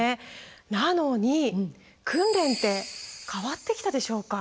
なのに訓練って変わってきたでしょうか。